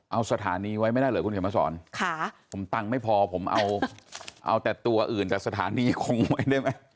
เอาสถานีไว้ไม่ได้เลยคุณผู้ชมอักษรผมตั้งไม่พอผมเอาแต่ตัวอื่นแต่สถานีคงไว้ได้ไหม